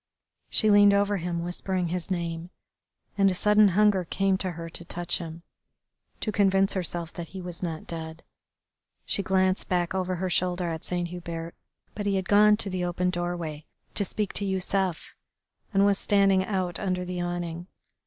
She leaned over him whispering his name, and a sudden hunger came to her to touch him, to convince herself that he was not dead. She glanced back over her shoulder at Saint Hubert, but he had gone to the open doorway to speak to Yusef, and was standing out under the awning.